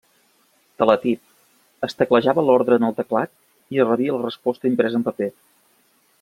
Teletip: es teclejava l'ordre en el teclat i es rebia la resposta impresa en paper.